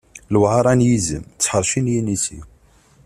Luɛara n yizem, d tḥerci n yinisi.